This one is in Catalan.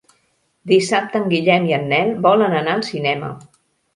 Dissabte en Guillem i en Nel volen anar al cinema.